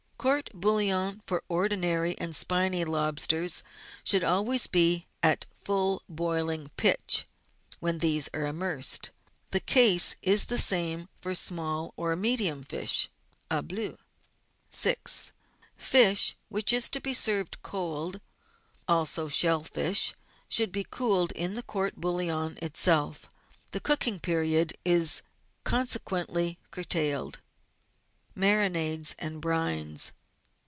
Court bouillon for ordinary and spiny lobsters should always be at full boiling pitch when these are immersed. The case is the same for small or medium fish " au bleu." 6. Fish which is to be served cold, also shell fish, should cool in the court bouillon itself; the cooking period is conse quently curtailed. Marinades and Brines.